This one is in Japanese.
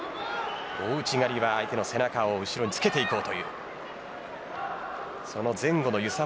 大内刈は相手の背中を後ろにつけていこうという技です。